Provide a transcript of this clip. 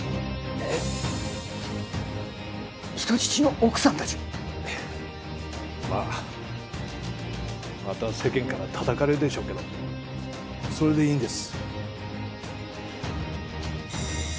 ええ、まあ、また世間からたたかれるでしょうけど、それでいいんです。